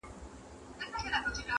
شاهینان وه چي کوترې یې خوړلې.!